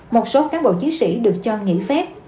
một số cán bộ chiến sĩ được cho nghỉ phép